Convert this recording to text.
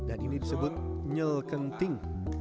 dan ini disebut nyel kenting